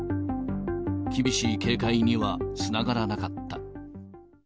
厳しい警戒にはつながらなかった。